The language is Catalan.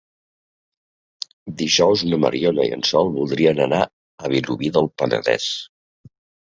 Dijous na Mariona i en Sol voldrien anar a Vilobí del Penedès.